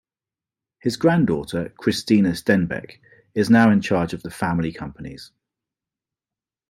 His granddaughter, Cristina Stenbeck is now in charge of the family companies.